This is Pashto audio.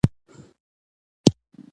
د میرمنو کار د ټولنې سمون لپاره مهم دی.